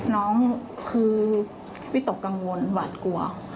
น้องคือวิตกกังวลหวาดกลัว